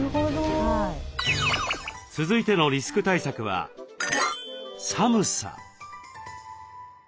続いてのリスク対策は「寒さ」。